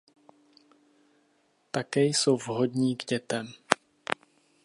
Také jsou vhodní k dětem.